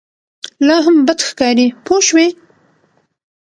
لا هم بد ښکاري پوه شوې!.